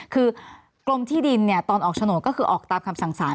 คือกรมที่ดินตอนออกโฉนดก็คือออกตามคำสั่งสาร